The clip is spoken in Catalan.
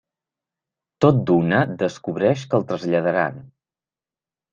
Tot d'una descobreix que el traslladaran.